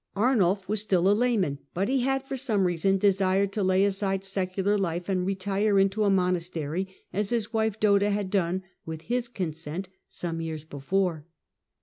Arnulf was still a layman, but he had for some time desired to lay aside secular life and retire into a monastery, as his wife Doda had done, with his consent, some years before.